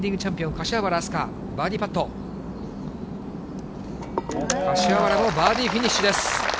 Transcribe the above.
柏原もバーディーフィニッシュです。